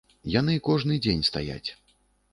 Яны кожны дзень стаяць.